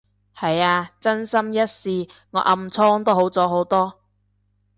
係啊，真心一試，我暗瘡都好咗好多